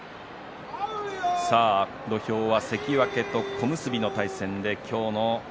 土俵は関脇、小結の対戦です。